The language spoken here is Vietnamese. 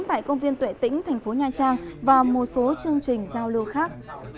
tại công viên tuệ tĩnh thành phố nha trang và một số chương trình giao lưu khác